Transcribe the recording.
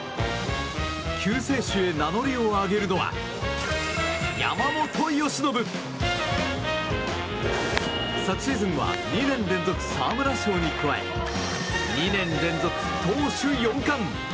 救世主へ名乗りを上げるのは山本由伸！昨シーズンは２年連続沢村賞に加え２年連続投手４冠。